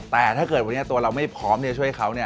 แต่ถ้าเกิดวันนี้ตัวเราไม่พร้อมจะช่วยเขา